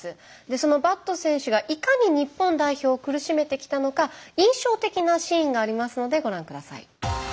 そのバット選手がいかに日本代表を苦しめてきたのか印象的なシーンがありますのでご覧下さい。